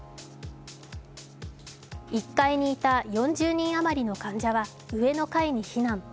１階にいた４０人あまりの患者は上の階に避難。